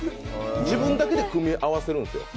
自分だけで組み合わせるんですよ。